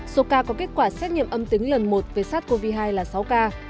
số ca có kết quả xét nghiệm âm tính lần một với sars cov hai là sáu ca